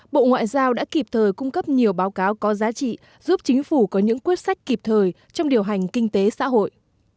bộ ngoại giao đã kịp thời cung cấp nhiều báo cáo có giá trị giúp chính phủ có những quyết sách kịp thời trong điều hành kinh tế xã hội